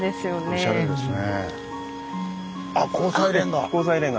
おしゃれですね。